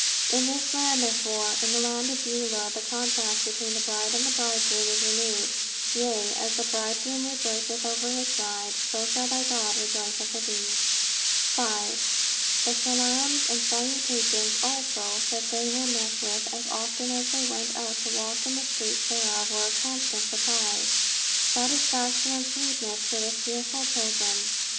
In this land, therefore, in the land of Beulah, the contract between the bride and the bridegroom is renewed; yea, as the bridegroom rejoiceth over his bride, so shall thy God rejoice over thee. 5. The salaams and salutations also that they were met with as often as they went out to walk in the streets thereof were a constant surprise, satisfaction, and sweetness to the fearful pilgrims.